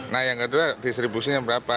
nah yang kedua distribusinya berapa